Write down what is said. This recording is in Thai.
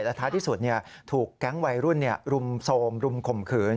และท้ายที่สุดถูกแก๊งวัยรุ่นรุมโทรมรุมข่มขืน